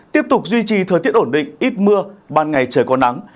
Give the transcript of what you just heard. tiếp tục duy trì thời tiết ổn định ít mưa ban ngày trời có nắng